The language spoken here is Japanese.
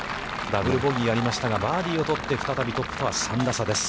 ダブル・ボギーがありましたが、バーディーを取って、再びトップとは３打差です。